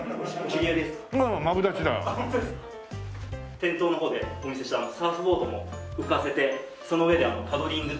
店頭の方でお見せしたサーフボードも浮かせてその上でパドリングっていって。